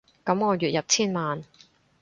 噉我月入千萬